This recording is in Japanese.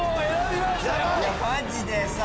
マジでさ。